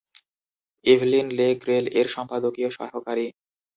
Evelyn Le Grel এর সম্পাদকীয় সহকারী।